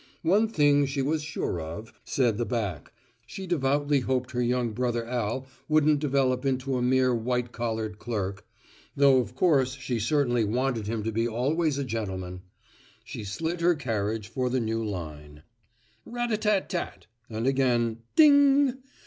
One thing she was sure of, said the back, she devoutly hoped her young brother Al wouldn't develop into a mere white collared clerk though of course she certainly wanted him to be always a gentleman. She slid her carriage for the new line. Rat tat tat tat and again, ding.